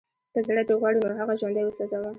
که زړه دې غواړي نو هغه ژوندی وسوځوه